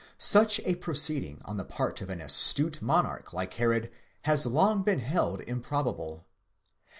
Such a proceeding on the part of an astute monarch like Herod has long been held improbable.?